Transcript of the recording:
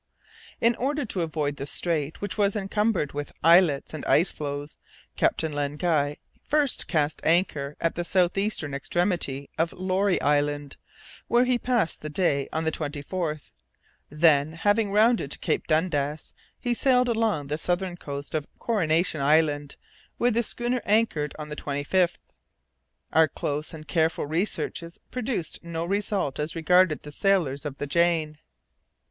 In order to avoid the strait, which was encumbered with islets and ice floes, Captain Len Guy first cast anchor at the south eastern extremity of Laurie Island, where he passed the day on the 24th; then, having rounded Cape Dundas, he sailed along the southern coast of Coronation Island, where the schooner anchored on the 25th. Our close and careful researches produced no result as regarded the sailors of the Jane.